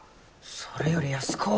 それより安子。